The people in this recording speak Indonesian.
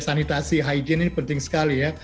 sanitasi hygiene ini penting sekali ya